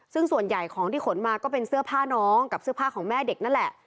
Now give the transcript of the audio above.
ซึ่งส่วนใหญ่ของที่ขนมาก็เป็นเสื้อผ้าน้องกับเสื้อผ้าของแม่เด็กนั่นแหละ